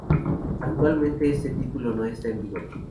Actualmente este título no está en vigor.